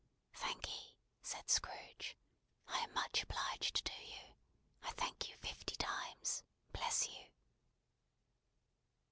"Thank'ee," said Scrooge. "I am much obliged to you. I thank you fifty times. Bless you!"